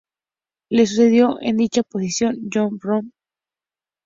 Le sucedió en dicha posición Joan Rovira i Roure.